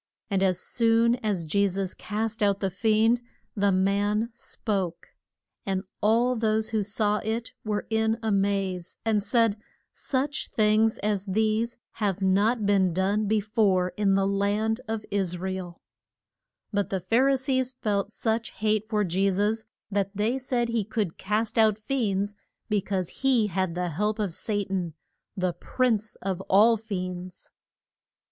And as soon as Je sus cast out the fiend the man spoke. And all those who saw it were in a maze, and said, Such things as these have not been done be fore in the land of Is ra el. [Illustration: THE TWO BLIND MEN.] But the Phar i sees felt such hate for Je sus that they said that he could cast out fiends be cause he had the help of Sa tan, the prince of all fiends.